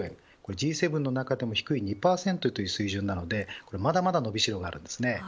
Ｇ７の中でも低い２％という数値なのでまだまだ伸びしろがあります。